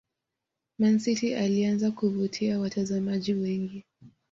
Man city ilianza kuvutia watazamaji wengi